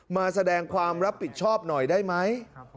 มาแสดงความรับผิดชอบหน่อยได้ไหม